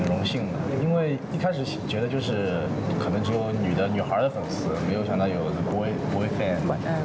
ก็คงคิดว่าจะมีผู้ชอบผู้หญิงแต่ไม่คิดว่าจะมีผู้ชอบผู้หญิง